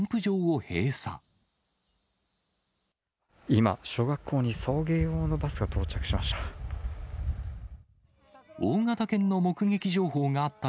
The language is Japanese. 今、小学校に送迎用のバスが到着しました。